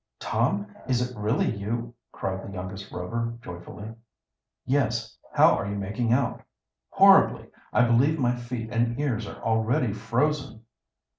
"Tom, is it really you?" cried the youngest Rover joyfully. "Yes. How are you making out?" "Horribly. I believe my feet and ears are already frozen!"